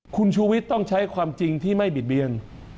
คุณชูวิทย์ต้องใช้ความจริงที่ไม่บิดเบียน